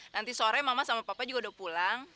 nanti sore mama sama papa juga udah pulang